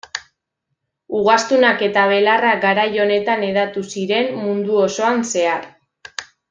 Ugaztunak eta belarra garai honetan hedatu ziren mundu osoan zehar.